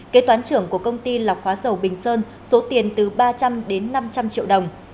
kế toán trưởng của công ty lọc hóa dầu bình sơn số tiền từ ba trăm linh đến năm trăm linh triệu đồng